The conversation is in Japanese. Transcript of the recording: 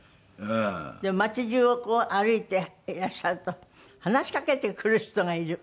でも街中をこう歩いていらっしゃると話しかけてくる人がいる。